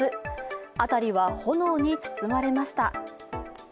辺りは炎に包まれました。